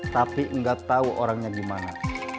tapi nggak tahu orangnya gimana